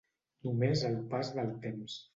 Només el pas del temps.